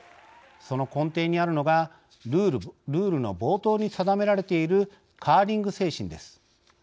その根底にあるのがルールの冒頭に定められているカーリング精神です。